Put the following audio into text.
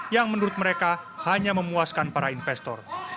yang menurut mereka hanya memuaskan para investor